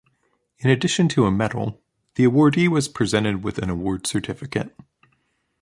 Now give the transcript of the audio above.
In addition to a medal, the awardee was presented with an award certificate.